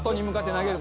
投げる？